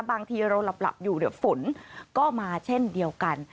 บางทีเราหลับอยู่เดี๋ยวฝนก็มาเช่นเดียวกัน